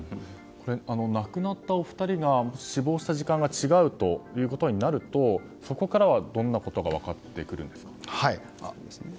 亡くなったお二人が死亡した時間が違うとなるとそこからはどんなことが分かってくるんですか。